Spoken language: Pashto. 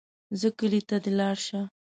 ځه کلي ته دې لاړ شه.